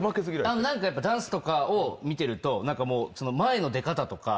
何かダンスとかを見てると前の出方とか。